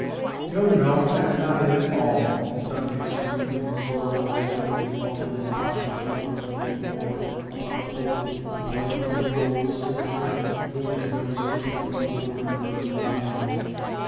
"No, no! That's not it at all!" he suddenly exclaimed in his horrible accent as he altered his posture to one of leaning forward upon the table and playing with the gold signet ring which was nearly slipping from the little finger of his left hand.